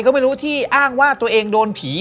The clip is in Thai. ก็ไม่รู้ที่อ้างว่าตัวเองโดนผี